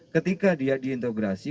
ketika dia diintegrasi